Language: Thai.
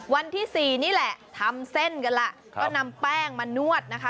วันที่สี่นี่แหละทำเส้นกันแล้วก็นำแป้งมานวดนะคะ